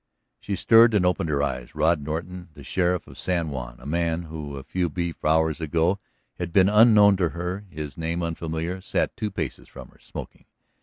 She stirred and opened her eyes. Rod Norton, the sheriff of San Juan, a man who a few brief hours ago had been unknown to her, his name unfamiliar, sat two paces from her, smoking.